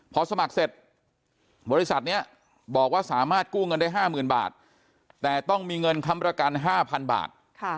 พอสมัครเสร็จบริษัทนี้บอกว่าสามารถกู้เงินได้๕๐๐๐บาทแต่ต้องมีเงินค้ำประกัน๕๐๐บาท